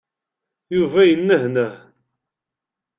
Yuba yenehneh.